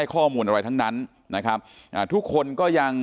ที่โพสต์ก็คือเพื่อต้องการจะเตือนเพื่อนผู้หญิงในเฟซบุ๊คเท่านั้นค่ะ